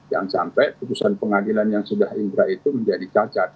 yang sampai keputusan pengadilan yang sudah ingkrah itu menjadi cacat